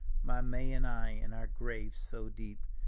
My May and I, in our grave so deep.